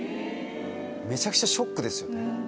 めちゃくちゃショックですよね。